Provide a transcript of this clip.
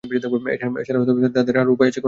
এছাড়া তাদের আর উপায় আছে কোনো?